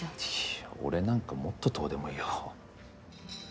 いや俺なんかもっとどうでもいいよ。